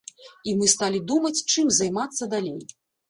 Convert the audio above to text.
І мы сталі думаць, чым займацца далей.